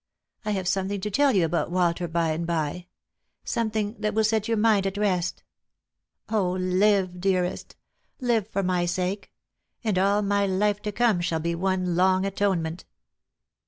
I have something to tell you about Walter by and by ; something that will set your mind at rest. live, dearest ; live, for my sake ; and all my life to come shall be one long atonement."